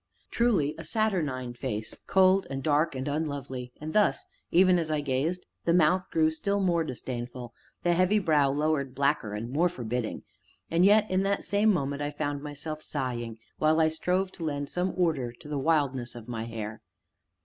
Truly, a saturnine face, cold and dark and unlovely, and thus even as I gazed the mouth grew still more disdainful, and the heavy brow lowered blacker and more forbidding. And yet, in that same moment, I found myself sighing, while I strove to lend some order to the wildness of my hair.